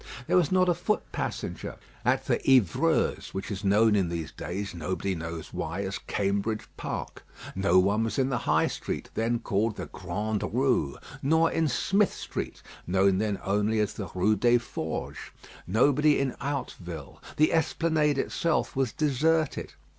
There was not a foot passenger at the "Hyvreuse," which is known in these days, nobody knows why, as Cambridge Park; no one was in the High Street, then called the Grande Rue; nor in Smith Street, known then only as the Rue des Forges; nobody in Hauteville. The Esplanade itself was deserted.